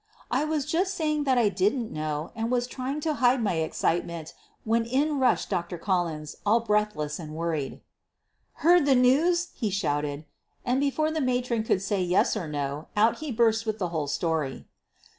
I was just saying that I didn't know and was trying to hide my excitement when in rushed Dr. Collins, all breathless and worried. "Heard the news?" he shouted. And before the ■aatron could say yes or no out he burst with the whole story.